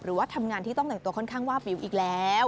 หรือว่าทำงานสตลกตัวค่อนข้างว่าบิวอีกแล้ว